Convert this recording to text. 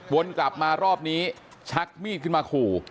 วนกลับมารอบนี้ชักมีดขึ้นมาขู่